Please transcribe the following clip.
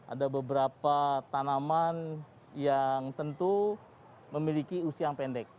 ada beberapa tanaman yang tentu memiliki usia yang pendek